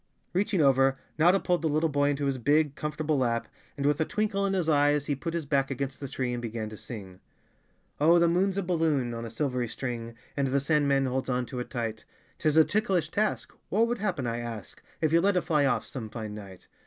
Reaching over, Notta pulled the little boy into his big, comfortable lap, and with a twinkle in his eyes he put 63 The Cowardly Lion of Oz _ his back against the tree and began to sing: "Oh the moon's a balloon On a silvery string, And the Sandman holds on to it tight! 'Tis a ticklish task — What would happen, I ask, If he let it fly off some fine night?